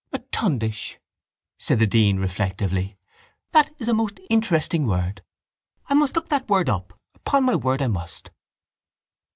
—A tundish, said the dean reflectively. That is a most interesting word. I must look that word up. Upon my word I must.